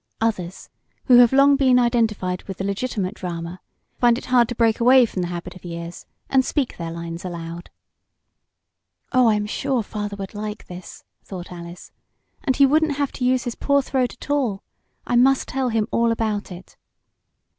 Others, who have long been identified with the legitimate drama, find it hard to break away from the habit of years and speak their lines aloud. "Oh, I'm sure father would like this," thought Alice. "And he wouldn't have to use his poor throat at all. I must tell him all about it."